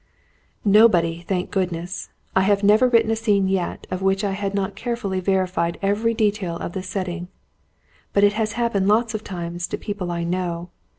"Nobody, thank goodness! I have never written a scene yet, of which I had not carefully verified every detail of the setting. But it has happened lots of times to people I know.